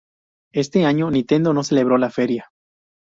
Este año Nintendo no celebró la feria.